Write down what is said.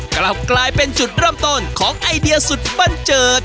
กลับกลายเป็นจุดเริ่มต้นของไอเดียสุดบันเจิด